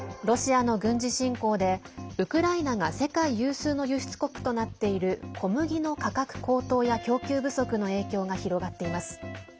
ロシアの軍事侵攻でウクライナが世界有数の輸出国となっている小麦の価格高騰や供給不足の影響が広がっています。